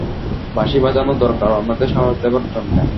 বাঁশি বাজানো দরকার অন্যদের সাহস দেবার জন্যে।